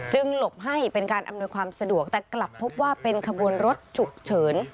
หลบให้เป็นการอำนวยความสะดวกแต่กลับพบว่าเป็นขบวนรถฉุกเฉิน